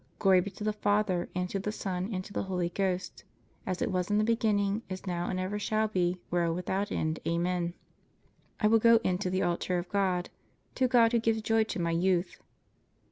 Glory be to the Father, and to the Son and to the Holy Ghost. As it was in the beginning, is now and ever shall be, world without end. Amen. I will go in to the altar of God. To God Who gives joy to my youth.